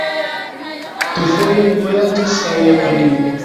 Dufoje li vojaĝis al Japanio.